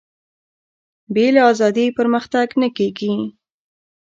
بې له ازادي پرمختګ نه کېږي.